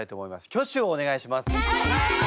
挙手をお願いします。